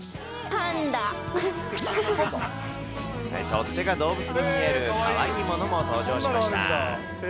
取っ手が動物に見える、かわいいものも登場しました。